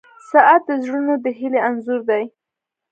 • ساعت د زړونو د هیلې انځور دی.